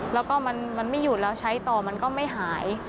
แล้วก็มันไม่หยุดแล้วใช้ต่อมันก็ไม่หาย